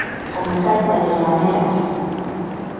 Omusajja eyamera.